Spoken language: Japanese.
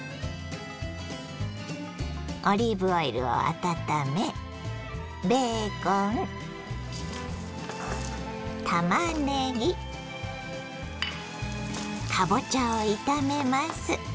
オリーブオイルを温めベーコンたまねぎかぼちゃを炒めます。